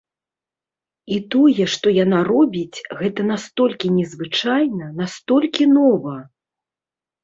І тое, што яна робіць, гэта настолькі незвычайна, настолькі нова!